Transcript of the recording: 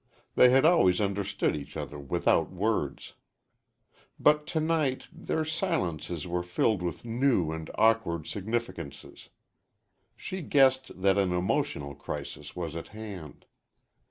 They had always understood each other without words. But to night their silences were filled with new and awkward significances. She guessed that an emotional crisis was at hand.